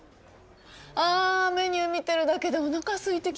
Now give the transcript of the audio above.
あメニュー見てるだけでおなかすいてきちゃった。